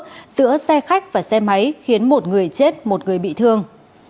giữa xe khách và xe máy khiến một người chết một người bị thương